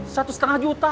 satu setengah juta